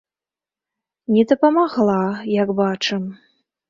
Не дапамагла, як бачым.